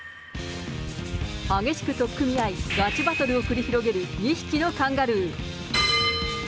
激しく取っ組み合い、ガチバトルを繰り広げる２匹のカンガルー。